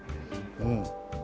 うん。